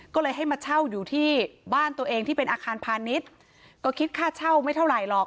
ก็เลยให้มาเช่าอยู่ที่บ้านตัวเองที่เป็นอาคารพาณิชย์ก็คิดค่าเช่าไม่เท่าไหร่หรอก